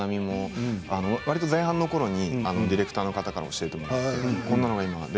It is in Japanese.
前半のころにディレクターの方から教えてもらいました。